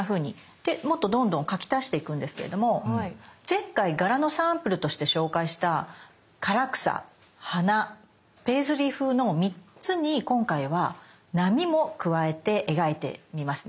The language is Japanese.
でもっとどんどん描き足していくんですけれども前回柄のサンプルとして紹介した唐草花ペイズリー風の３つに今回は波も加えて描いてみますね。